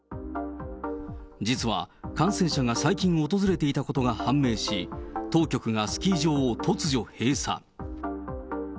実は感染者が最近訪れていたことが判明し、当局がスキー場を突如閉鎖。